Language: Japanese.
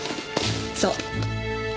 そう。